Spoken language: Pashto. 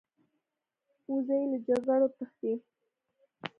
وزې له جګړو تښتي